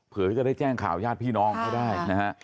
เพื่อจะได้แจ้งข่าวญาติพี่น้องเขาได้นะฮะ